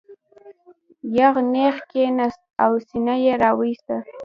یغ نېغ کېناست او سینه یې را وویسته.